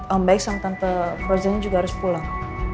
om baik sama tete frozen juga harus pulang